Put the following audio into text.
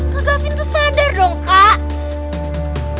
kak gavin tuh sadar dong kak